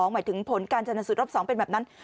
หมายถึงผลการชนสูตรรอบ๒เป็นแบบนั้น